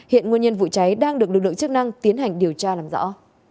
hiện nguyên nhân vụ cháy đang được lực lượng chức năng tiến hành điều tra làm rõ